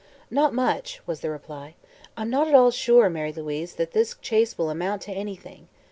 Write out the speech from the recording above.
"Not much," was the reply. "I'm not at all sure, Mary Louise, that this chase will amount to anything.